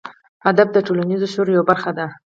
ادب د ټولنیز شعور یوه برخه ده.